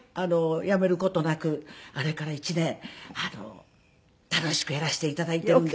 辞める事なくあれから１年楽しくやらせて頂いているんです。